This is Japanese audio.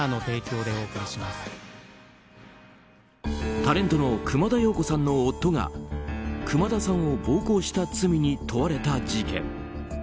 タレントの熊田曜子さんの夫が熊田さんを暴行した罪に問われた事件。